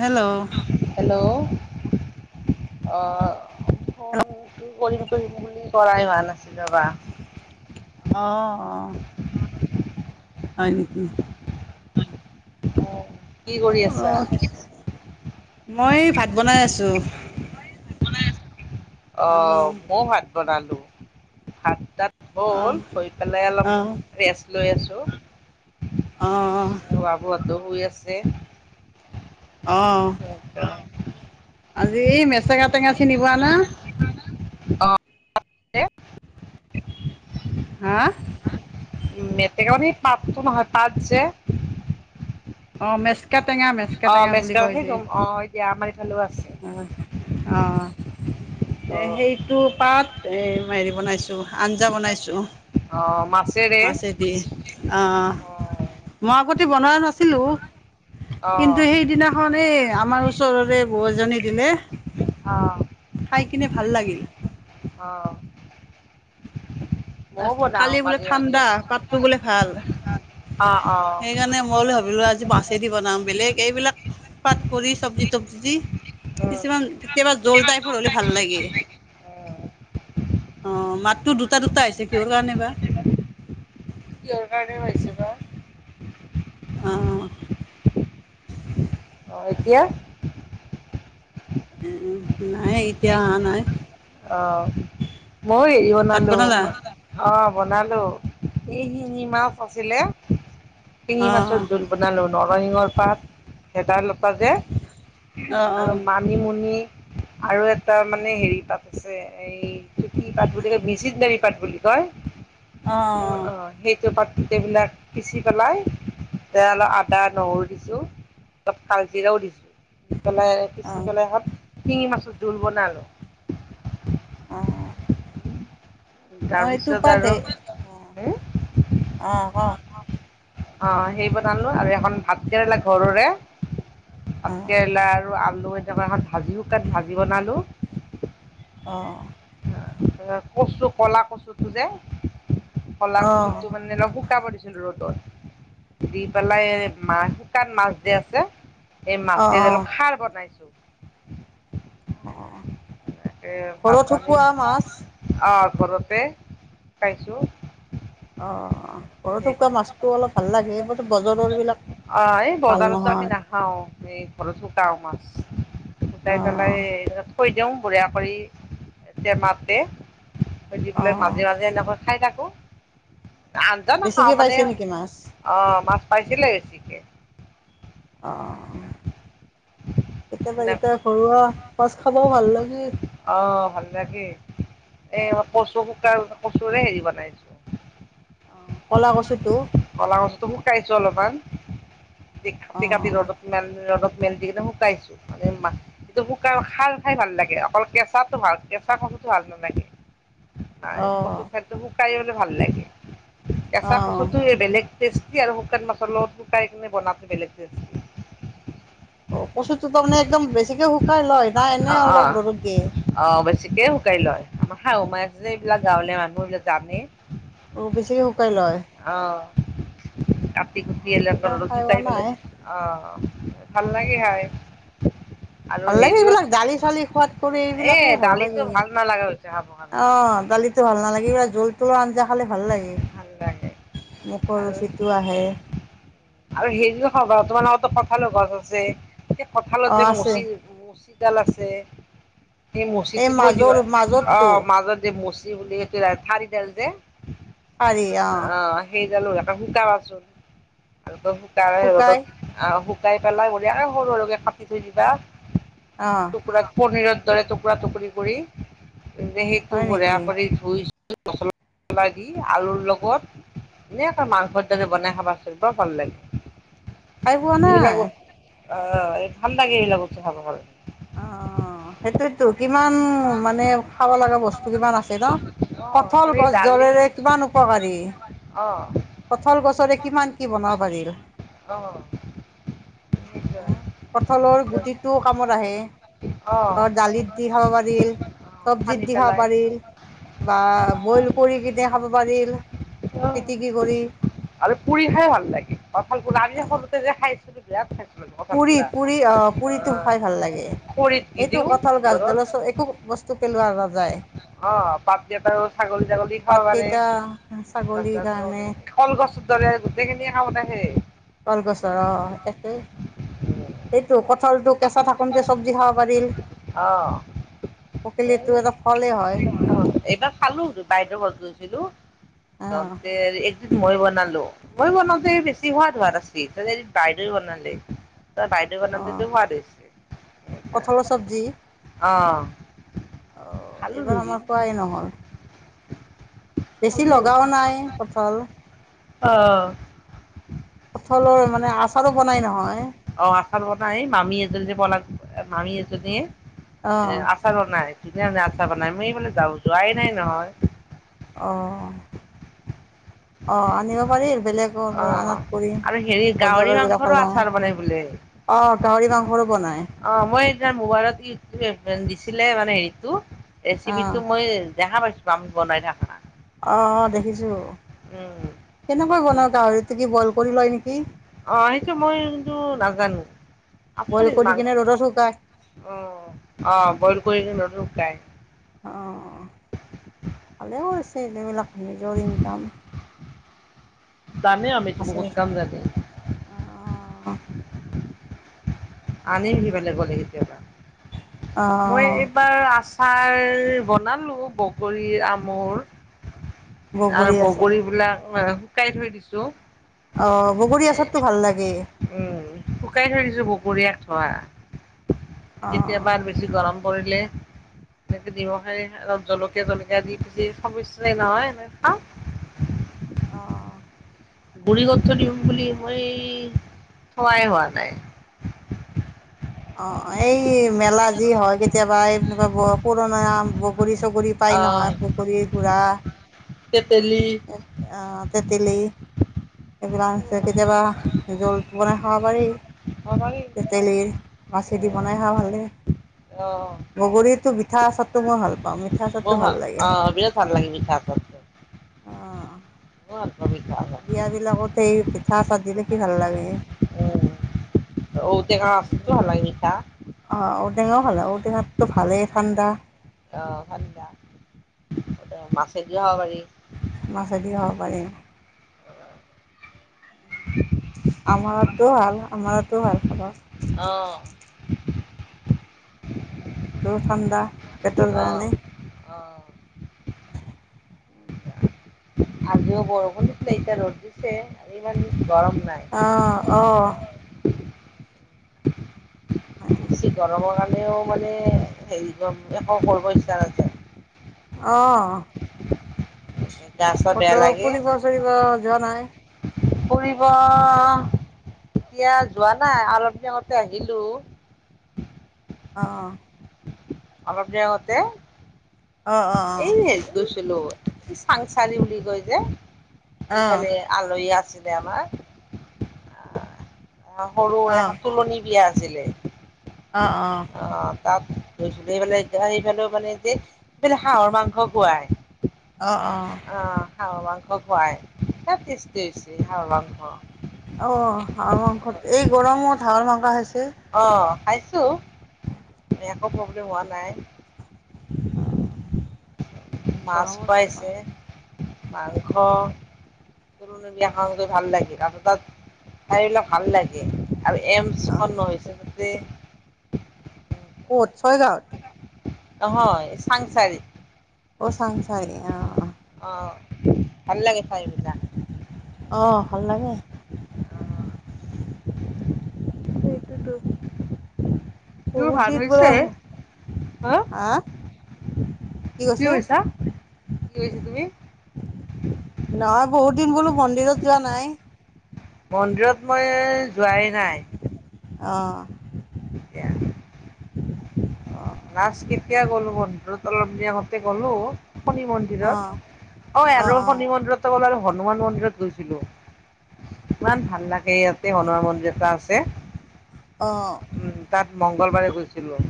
Hello hello অ কৰিম কৰিম বুলি কৰাই হোৱা নাছিল ৰৱা অহ অহ হয় নেকি [inaudible] কি কৰি আছা। অ', মই ভাত বনাই আছো। অ মইও ভাত বনালো ভাত তাত হ'ল অ', হৈয় পেলাই অলপমান অ', ৰেষ্ট লৈ আছো। অহ হৈ আছে। অহ আজি মেচেঙা টেঙা চিনিপোৱা না [inaudible] অ [inaudible] হা? উ মেতেকা পাতটো নহয় পাত যে [inaudible] অ মেচকা টেঙা মেচকা অ', টেঙা বুলি মেচকা কয় সেই যে গম অ', দিয়া আমাৰ ইফালেও আছে। অ অ [unintelligible] এ সেইটো পাত এ হেৰি বনাইছো আঞ্জা বনাইছো অ', [inaudible] মাছেৰে মাছেদি অহ অ', মই আগতে বনোৱা নাছিলো কিন্তু অ', অ', সেইদিনাখননে আমাৰ ওচৰৰে বৌ এজনী দিলে অ খাই কিনে ভাল লাগিল। অ [inaudible] তাৰ বনাও কালি বোলে মাজে ঠাণ্ডা মাজে। পাতটো বোলে ভাল [inaudible] অ', অ', সেইকাৰণে মই ভাবিলো আজি মাছেদি বনাম বেলেগ এইবিলাক পাতকৰি চব্জি তোবজি দি উম, কিছুমান কেতিয়াবা জোল টাইপৰ হ'লে ভাল লাগে [inaudible] উম। অ মাতটো দুটা দুটা আহিছে কিহৰ কাৰণে বা [inaudible] কি আহিছে বা [inaudible] অ [inaudible] অ এতিয়া [inaudible] উ নাই এতিয়া অহা নাই অ মই ভাত বনালা ইৱনালৈ অ বনালো শিঙি মাছ আছিলে শিঙি অ মাছৰ জোল বনালো নৰিংহৰ পাত ভেদালতা অ অ আৰু মানিমুনি আৰু এটা মানে হেৰি পাত- ছে এই চুতি পাত বুলি কয় [unintelligible] পাট বুলি কয় অ অ সেইটো পাতবিলাক পিচি পেলাই তাতে অলপ আদা নহৰু দিছো অলপ কালজিৰাও দিছো দি পেলাই অ অ পিচি পেলাই সত শিঙি মাছৰ জোল বনালো [inaudible] অহ [inaudible] তাৰপিছত আৰু অ অ কওক অ সেই বনালো আৰু এখন ভাত কেৰেলা ঘৰৰে ভাত কেৰেলা আৰু আলু এনেকুৱা এখন ভাজি তাত ভাজি বনালো অ কচু কলা কচুটো যে [inaudible] কলা অ অ কচু টো মানে শুকাব দিছিলো ৰ'দত দি পেলাই মা শুকান মাছ দি আছে এই অ অ মাছে অলপ খাৰ বনাইছো [inaudible] এয়া ভাব ঘৰত পি শুকোৱা মাছ অহ ঘৰতে খাইছো [inaudible] অ ঘৰত শুকুৱোৱা মাছতটো অলপ ভাল লাগে এই ব বজাৰৰ বিলাক অ এই বজাৰতো আমি নাখাও এই ঘৰত শুকাও মাছ গুকাই অঁ পেলাই থৈ দিওঁ বুঢ়িয়া কৰিয টেমাতে - [unintelligible] পেলাই অঁ মাজে মাজে এনেকৈ খাই থাকো। [unintelligible] খাওঁ বেছিকৈ মানে পাইছে নেকি মাছ অ মাছ পাইছিলে বেছিকে আহঁ কেতিয়াবা, সেনে কেতিয়াবা ঘৰুৱা মাছ খাবও ভাল লাগে। অ ভাল লাগে এই কচু [unintelligible] হেৰি বনাইছো। অঁ ক'লা কচুটো [unintelligible] খাইছো অলপমান দে কাটি, কাটি অঁ ৰ'দত ম ৰ'দত [unintelligible] শুকাইছো মানে সটো [unintelligible] খাই ভাল লাগে অকল কেঁচাটো ভাল কেঁচা ভাল [unintelligible] নাই অঁ কচুৰ খাদ্য [unintelligible] ভাল লাগে কেঁচা অঁ কচুটো বেলেগ টেষ্টি আৰু শুকান মাছৰ লগত শুকাই কিনে বনাইছোঁ বেলেগ এটা ৰেচিপি অ, কচুটো তাৰ মানে একদম বেছিকে শুকাই লয় নাই অ এনেই অ অলপ ৰদত দিয়ে [unintelligible] শুকাই লয় আমাৰ শাহু মাই যে এইবিলাক গাঁওলীয়া মানুহ এইবিলাক জানে। অ, বেছিকে শুকাই লয়? অ কাটি আমি কুটিলে তেনেকৈ খাই পোৱা [unintelligible] নাই অ ভাল লাগে হয়। ভাল লাগে এইবিলাক দালি চালি সোৱাদ কৰি এ এইবিলাকেই ভাল দালিটো লাগে। ভাল নালাগা হৈছে খাব কাৰণে অ', দালিতো ভাল নালাগে কিবা জোল তোলৰ আঞ্জা খালে ভাল লাগে ভাল লাগে মুখৰ আৰু ৰুচিটো আহে। আৰু [unintelligible] কঁঠালৰ গছ আছে এয়া অ কঠালত যে আছে মুচি মুচিডাল আছে সেই এই মচিটো থৈ মাজৰ দিবা অ, মাজৰটো মাজত যে মচি বুলি সেই ঠাৰিডাল যে [unintelligible] [unintelligible] [unintelligible] পেলাই হল শুকাই আৰু সৰু সৰুকে কাটি থৈ দিবা অ টুকুৰা পনীৰৰ টুকুৰা টুকুৰি কৰি সেইটো হয় বঢ়িয়া নেকি কৰি ধুই [unintelligible] আলুৰ লগত ধুনীয়াকৈ মাংসৰ দৰে বনাই খাবা চোন বৰ ভাল লাগে। খাই পোৱা নাই এইবিলাক বস্তু অ এই ঠাণ্ডা [unintelligible] খাব ভাল। অ', সেইটোতো কিমান মানে খাব লগা বস্তু কিমান আছে ন অঁ কঠল খালি দালি গছডালেৰে কিমান উপকাৰী অঁ কঠল গছৰে কিমান কি বনাব পাৰিল অঁ [inaudible] কঠলৰ গুটিটো কামত আহে অঁ ঘৰত দালিত দি খাব সানি চব্জিত দি খাব পেলাই পাৰি বা বইল কৰি [unintelligible] খাব পাৰিল অঁ পিটিক আৰু পুৰি খাই ভাল লাগে, কঠাল [unintelligible] সৰুতে যে খাইছিল [unintelligible] থাক পুৰি, পুৰি অ পুৰিটো খাই ভাল লাগে খৰিত দি এইটো দিওঁ কঠাল ভিতৰত গাছডাল একো বস্তু পেলোৱা নাযায়। অ পাত কেইটাও ছাগলী, ছাগলী খাব পাৰে পাতকেইটা ছাগলীৰ কাৰণে [unintelligible] কল গছ গোটেই খিনিয়ে কামত আহে। কলগছৰ অ, একেই এইটো কঠ টো কেঁচা থাকোনতে চবজি খাব পাৰিল। অ', এই পকিলিটো এটা ফলে হয়। অ', এইবাৰ খালো বাইদেউ ঘৰত গৈছিলো অ ত একদিন মই বনালো মই বনাওঁতে বেছি সোৱাদ সোৱাদ আছে বাইদেউ বনালে ত বাইদেউ অ বনাতেতো হোৱা হৈছে কঁঠালৰ এ অ অঁ খালো এইবাৰ দুদিন। আমাৰ পোৱাই নহল বেছি খালো লগাও নাই কঠাল। অ', কঠালৰ মানে আচাৰো বনাই নহয়। অ', আচাৰ বনাই মামী এজন বল মামি এজনে অ আচাৰ নাই ন ন আ চাব নাই মই বোলে যাব যোৱাই নাই নহয় আহ' অ আনিব পাৰি বেলেগৰ পৰা অ', আনাত পৰি আৰু হেৰি গাহৰি বজগাৰ মাংসৰো বিলাকল আচাৰ বনাই বোলে। অ গাহৰি মাংসৰো বনাই অ মই মোবাইলত ইটিব দিছিলে মানে হেৰিতটো অ ৰেচিপি টো মই দেেহা পাইছ পমান বন নাই থাকা অ অ দেখিছো। উম কেনেকৈ বনাওঁ গাহৰিটো কি বইল কৰি লয় নি? অ সেইটো মই কিন্তু নাজানো বইল আপুনি কৰি মাংস কিনে ৰ'দত শুকাই অ অ বইল কৰি [unintelligible] অ, ভালেই কৰিছে এইবিলাক নিজৰ ইনকাম। জানে আমিটো আছে বহুত কাম জানে। অ। আনিম সিফালে গলে কেতিয়াবা অ মই এইবাৰ আছ ছাৰ বনালো বগৰী, আমৰ আৰু বগৰী বিলাক শুকাই থৈ দিছো। অ বগৰী এ আচাৰটো ভাল লাগে উম শুকাই থৈ দিছো বগ [unintelligible] থোৱা অ কেতিয়াবা বেছি গৰম পৰিলে এনেকে নিমখপ জলকীয়া জলকীয়া দি পুজি খাব ন নহয় এনে খাওঁ। [inaudible] অহ। গুৰি কৈ থৈ দিম বুলি মই থোৱাই হোৱা নাই। [inaudible] অ এই মেলা যি হয় কেতিয়াবা এই তোমাৰ ধৰা পুৰণা আম, বগ বগৰী চগৰী পাই আহ নহয়, বগৰী গুৰা। তেতেলী আ তেতেলী এইবিলাক আছে কেতিয়াবা জোল বনাই খাব পাৰি। খাব পাৰি। তেতেলীৰ মাছেদি বনাই খাই ভাল লাগে। অ বগৰীতো মিঠা আচাৰটো মই ভাল পাওঁ মিঠা মোৰ আচাৰটো ভাল অ লাগে। বিৰাট ভাল লাগে মিঠা আচাৰটো? অ। [unintelligible] বিয়া বিলাকত সেই পিঠা চ দেখি ভাল লাগে। ঔ টেঙা আচাৰটো ভাল লাগে মিঠা। অঁ ঔটেঙাও ভাল ঔ টেঙাটো ভালেই ঠাণ্ডা। অহ ভাল দিয়া মাছেদিয়ো খাব পাৰি। মাছদিয়ো খাব পাৰি। [unintelligible] আমাৰতো ভাল আমাৰো ভাল খাব। অ। ঠাণ্ডা পেটৰ অ কাৰণে। অ' আজিও বৰষুণ দিছে এতিয়া ৰ'দ দিছে আজি ইমান গৰম অঁ অঁ নাই। বেছি গৰমৰ কাৰণেও মানে হেৰি একো কৰিব ইচ্ছা নাযায়। অহ। গা চা বেয়া ক'ত লাগে ফুৰিব-চুৰিব যোৱা নাই? ফুৰিব এতিয়া যোৱা নাই অলপ দিন আগতে আহিলো। অ। অলপ দিন আগতে অঁ অঁ এই গৈছিলো চাংচাৰি বুলি বুলি কয় যে অঁ অঁ এইতালে আলহী আছিল আমাৰ আ সৰু অঁ এখন তুলনি বিয়া আ আছিলে। অ অ। তাত গৈছিলো এই মানে যে সেইফালেও মানে যে এইফালে হাঁহৰ মাংস খোৱাই। অ', অ', অহ হাঁহৰ মাংস খোৱাই, বিৰাট টেষ্টি হৈছে হাঁহৰ মাংস। অ হাঁহৰ অ মাংস এই গৰমত হাঁহৰ মাংস খাইছা অ খাইছো। একো প্ৰব্লেম হোৱা নাই। আহ। মাছ খোৱাইছে, মাংস। পুৰাণা বিয়া খাওঁতে ভাল লাগিল আৰু তাত। ঠাই বিলাক ভাল লাগে আৰু অ', এমচখন হৈছে তাতে। কত ছয় গাওঁত। নহয় চাংচাৰি। অ চাংচাৰি অ। অ ভাল লাগে ঠাইবিলাক। অ ভাল লাগে। সেইটোৱে টো। তোৰ বহুত ভাল দিন হ'ল হৈছে বাৰু হা- কি হৈছা কি কৈছা তুমি? নহয় বহুত দিন বোলো মন্দিৰত যোৱা নাই। মন্দিৰত মই যোৱাই নাই। অ। এতিয়া অ', নাচ কেতিয়া গল ব অলপ দি আগতে গ'লো শনি মন্দিৰত অ', অ', অই আৰু অ', শনি মন্দিৰতে গ'ল আৰু। হনুমান মন্দিৰত গৈছিলো। ইমান ভাল লাগে ইয়াতে হনুমান মন্দিৰ এটা আছে। অ', উম তাত মংগলবাৰে গৈছিলো।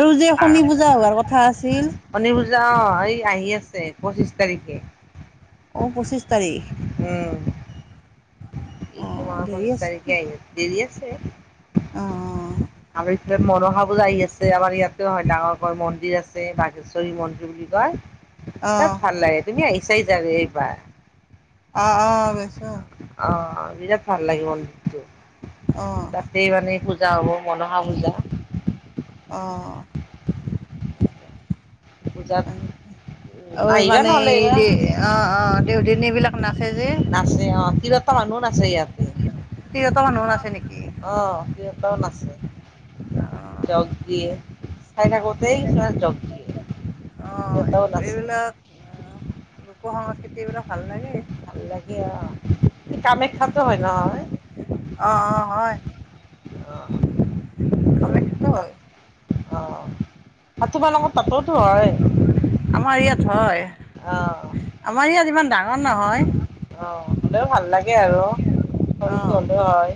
আৰু যে শনি পূজা হোৱাৰ কথা আছিল। শনি অ এই আহি আছে পঁচিশ তাৰিখে। অ পঁচিছ তাৰিখ। উম এইটো অ', মাৰ দেৰি পছিছ আছে তাৰিখে আহি আ দৰি আছে অ', আ মনসা পূজা আহি আছে আমাৰ ইয়াতে হয় ডাঙৰ কৈ মন্দিৰ আছে বাঘেশ্বৰী মন্দিৰ বুলি কয়। অ', অ', তাত ভাল লাগে তুমি আহিছাই কিজানি একবাৰ। অহ অ গছো। অ বিৰাট ভাল লাগে মন্দিৰটো অ', তাতে মানে পূ পূজা হ'ব মনসা পূজা। অহ। পূজাত ঐ আহিবা মানে নহ'লে এই দে এইবাৰ অ অ দেউদিনীবিলাক। নাচে অ তিৰোতা মানুহো নাচে ইয়াতে। সিহঁতৰ মানুহো নাছে নেকি? অঁ সিহঁতেও নাচে। অ জক দিয়ে চাই থাকতেই জক দিয়ে। অ নেতাও নাচে আছিল। এইবিলাক লোক সংস্কৃতি এইবিলাক ভাল লাগে। ভাল লাগে অ সেই কামাখ্যাতো হয় নহয়। অ অ হয়। কামাখ্যাতো হয় অ অ তোমাৰ লগত- আমাৰ ইয়াত হয় অ আমাৰ ইয়াত ইমান ডাঙৰ অ নহয়। হ'লেও ভাল লাগে আৰু সৰুটো অ হ'লেও হয়।